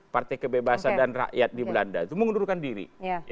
partai kebebasan dan rakyat di belanda itu mengundurkan diri